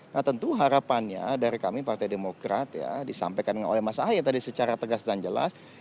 nah tentu harapannya dari kami partai demokrat ya disampaikan oleh mas ahaye tadi secara tegas dan jelas